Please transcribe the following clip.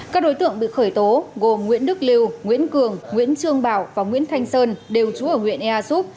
các đối tượng bị khởi tố gồm nguyễn đức lưu nguyễn cường nguyễn trương bảo và nguyễn thanh sơn đều trú ở huyện ea súp